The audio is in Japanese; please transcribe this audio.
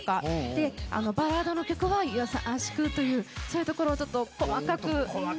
でバラードの曲は優しくというそういうところをちょっと細かく。